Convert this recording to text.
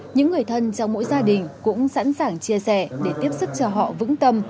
những người thân trong mỗi gia đình cũng sẵn sàng chia sẻ để tiếp sức cho họ vững tâm